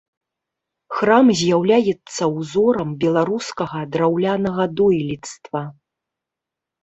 Храм з'яўляецца ўзорам беларускага драўлянага дойлідства.